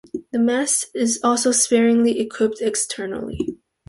The mast is also sparingly equipped externally.